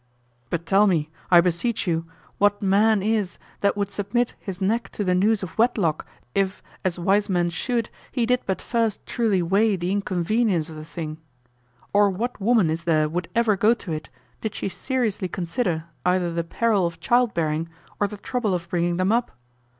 But tell me, I beseech you, what man is that would submit his neck to the noose of wedlock, if, as wise men should, he did but first truly weigh the inconvenience of the thing? Or what woman is there would ever go to it did she seriously consider either the peril of child bearing or the trouble of bringing them up?